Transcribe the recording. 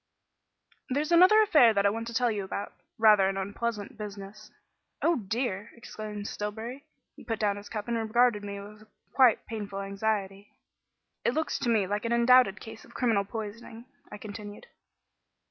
"There's another affair that I want to tell you about; rather an unpleasant business." "Oh, dear!" exclaimed Stillbury. He put down his cup and regarded me with quite painful anxiety. "It looks to me like an undoubted case of criminal poisoning," I continued.